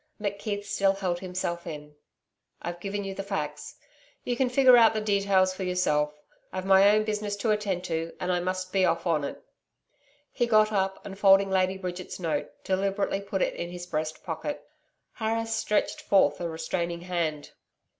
McKeith still held himself in. 'I've given you the facts. You can figure out your details for yourself. I've my own business to attend to, and I must be off on it.' He got up, and folding Lady Bridget's note, deliberately put it in his breast pocket. Harris stretched forth a restraining hand.